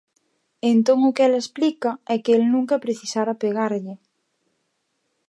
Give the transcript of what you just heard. Entón o que ela explica é que el nunca precisara pegarlle.